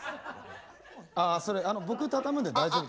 あそれ僕畳むんで大丈夫です。